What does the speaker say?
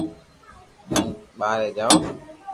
ھون ٻاري جاو